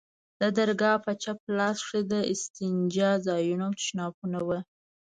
د درگاه په چپ لاس کښې د استنجا ځايونه او تشنابونه وو.